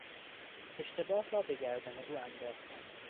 اشتباه را به گردن او انداختند.